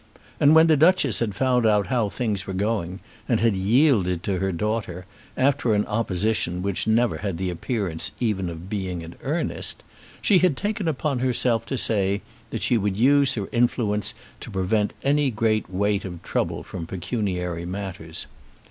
And when the Duchess had found out how things were going, and had yielded to her daughter, after an opposition which never had the appearance even of being in earnest, she had taken upon herself to say that she would use her influence to prevent any great weight of trouble from pecuniary matters.